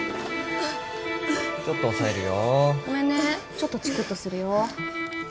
ちょっとチクッとするよ。